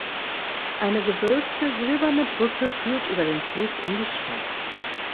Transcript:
Eine gewölbte silberne Brücke führt über den Fluss in die Stadt.